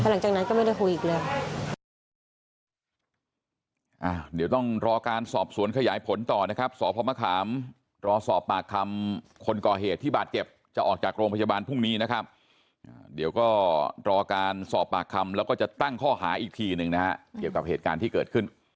แล้วหลังจากนั้นก็ไม่ได้คุยอีกเลย